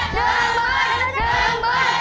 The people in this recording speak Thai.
หนึ่งหมาย